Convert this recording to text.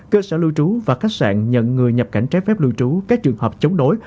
cơ sở lưu trú và khách sạn nhận người nhập cảnh trái phép lưu trú các trường hợp chống đối